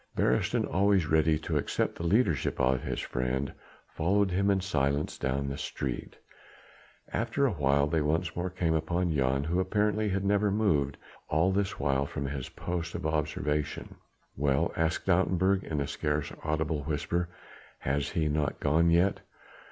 Beresteyn, always ready to accept the leadership of his friend, followed him in silence down the street. After awhile they once more came upon Jan, who apparently had never moved all this while from his post of observation. "Well?" asked Stoutenburg in a scarce audible whisper, "has he not gone yet?"